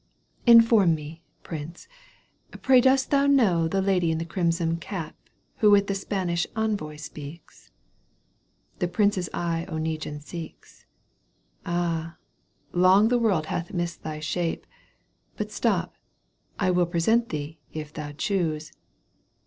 " Inform me, prince, pray dost thou know The lady in the crimson cap Who with the Spanish envoy speaks ?"— The prince's eye Oneguine seeks :Ah ! long the world hath missed thy shape ! But stop ! I win present thee, if You choose."